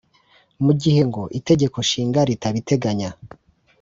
mu gihe ngo itegeko nshinga ritabiteganya